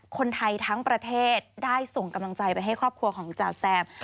คนไทยทั้งประเทศได้ส่งกำลังใจไปให้ครอบครัวของจ่าแซม